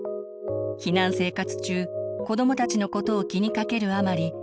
避難生活中子どもたちのことを気にかけるあまり